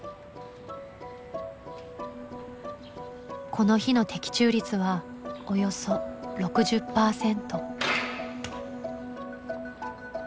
この日の的中率はおよそ６０％。